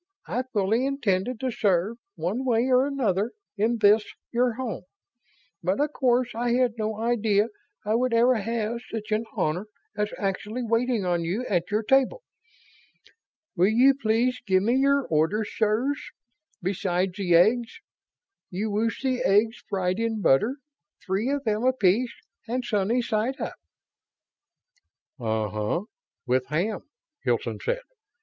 I fully intended to serve, one way or another, in this your home. But of course I had no idea I would ever have such an honor as actually waiting on you at your table. Will you please give me your orders, sirs, besides the eggs? You wish the eggs fried in butter three of them apiece and sunny side up." "Uh huh, with ham," Hilton said.